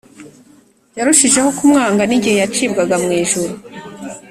. Yarushijeho kumwanga n’igihe yacibwaga mu ijuru